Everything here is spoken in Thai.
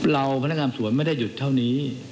พนักงานสวนไม่ได้หยุดเท่านี้